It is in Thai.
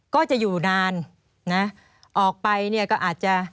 ก็จะอยู่นานออกไปก็อาจจะ